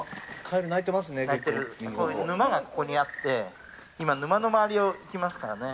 沼がここにあって沼の周りを行きますからね。